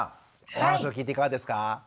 お話を聞いていかがですか？